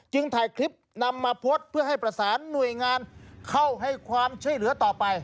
ถ่ายคลิปนำมาโพสต์เพื่อให้ประสานหน่วยงานเข้าให้ความช่วยเหลือต่อไป